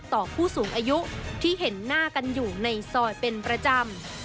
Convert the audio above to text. ผู้สูงอายุที่เห็นหน้ากันอยู่ในซอยเป็นประจำ